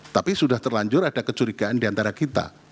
tapi sudah terlanjur ada kecurigaan diantara kita